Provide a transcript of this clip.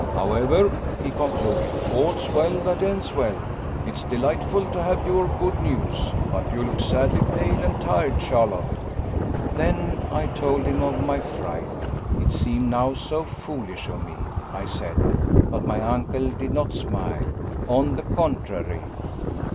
"However," he concluded, "all's well that ends well. It's delightful to have your good news. But you look sadly pale and tired, Charlotte." Then I told him of my fright it seemed now so foolish of me, I said. But my uncle did not smile on the contrary.